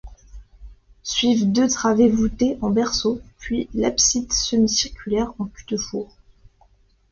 Suivent deux travées voûtées en berceau, puis l'abside semi-circulaire en cul-de-four.